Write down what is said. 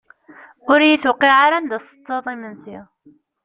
Ur yi-tewqiε ara anda tettetteḍ imensi.